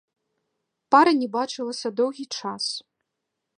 Пара не бачылася доўгі час.